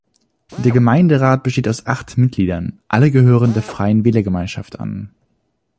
Der Gemeinderat besteht aus acht Mitgliedern, alle gehören der Freien Wählergemeinschaft an.